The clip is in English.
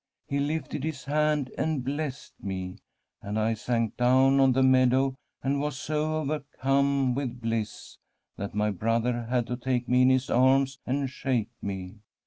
He lifted His hand and blessed me, and I sank down on the meadow, and was so overcome with bliss, that my brother had to take me in his arms and shake me.